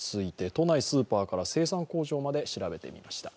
都内スーパーから生産工場まで調べてみました。